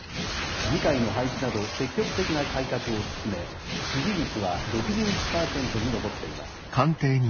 議会の廃止など積極的な改革を進め支持率は６１％に上っています」。